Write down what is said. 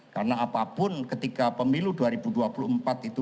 karena apapun ketika pemilu dua ribu dua puluh empat itu